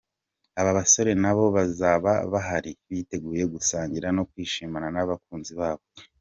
Aba basore nabo bazaba bahari biteguye gusangira no kwishimana n’abakunzi babo.